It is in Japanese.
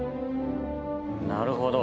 なるほど。